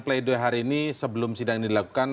play doh hari ini sebelum sidang ini dilakukan